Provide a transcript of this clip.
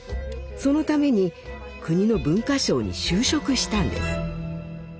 そのために国の文化省に就職したんです。